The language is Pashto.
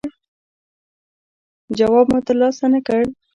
جواب مو ترلاسه نه کړ.